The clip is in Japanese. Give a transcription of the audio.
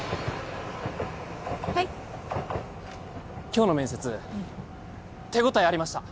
はい今日の面接手応えありました